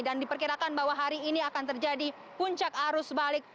dan diperkirakan bahwa hari ini akan terjadi puncak arus balik